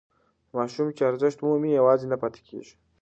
ماشوم چې ارزښت ومومي یوازې نه پاتې کېږي.